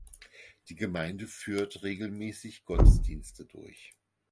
Die Gemeinde führt regelmäßig Gottesdienste durch.